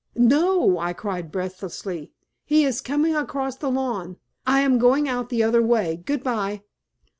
"No!" I cried, breathlessly; "he is coming across the lawn. I am going out the other way. Goodbye."